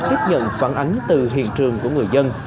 tiếp nhận phản ánh từ hiện trường của người dân